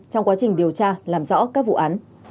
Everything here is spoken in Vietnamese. trong quá trình điều tra làm rõ các vụ án